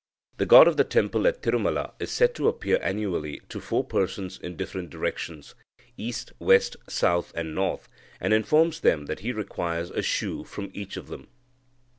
The god of the temple at Tirumala is said to appear annually to four persons in different directions, east, west, south and north, and informs them that he requires a shoe from each of them.